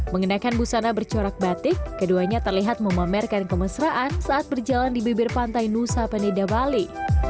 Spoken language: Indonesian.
mengenakan busana bercorak batik keduanya terlihat memamerkan kemesraan saat berjalan di bibir pantai nusa penida bali